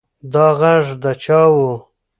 دا غږ د چا و؟